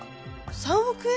３億円！？